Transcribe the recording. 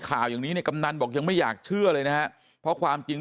ข่าวอย่างนี้เนี่ยกำนันบอกยังไม่อยากเชื่อเลยนะฮะเพราะความจริง